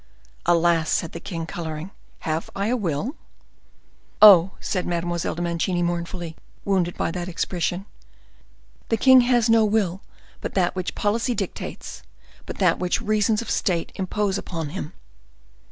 "Alas!" said the king, coloring, "have I a will?" "Oh!" said Mademoiselle de Mancini mournfully, wounded by that expression. "The king has no will but that which policy dictates, but that which reasons of state impose upon him."